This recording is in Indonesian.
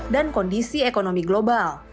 dan kondisi ekonomi global